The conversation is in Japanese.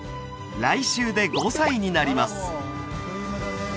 来週で５歳になります